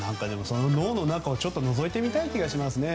脳の中をのぞいてみたい気がしますね。